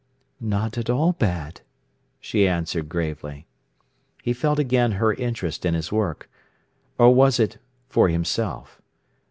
"Not at all bad," she answered gravely. He felt again her interest in his work. Or was it for himself?